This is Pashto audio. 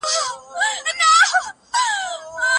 د کومو عواملو په مرسته د عصبيت زوال راځي؟